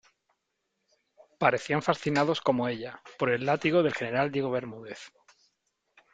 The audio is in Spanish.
parecían fascinados como ella , por el látigo del general Diego Bermúdez .